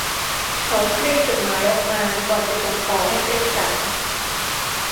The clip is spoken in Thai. เขาคลี่จดหมายออกมาก่อนจะส่งต่อให้เกร็กสัน